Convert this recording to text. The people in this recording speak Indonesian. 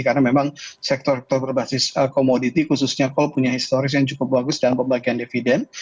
karena memang sektor sektor berbasis komoditi khususnya kalau punya historis yang cukup bagus dalam pembagian dividen